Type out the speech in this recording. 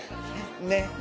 ねっ。